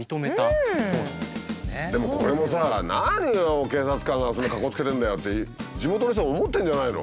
でもこれもさ何よ警察官がそんなかっこつけてるんだよって地元の人は思ってるんじゃないの？